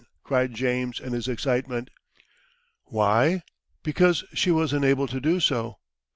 cried James in his excitement. Why? Because she was unable to do so.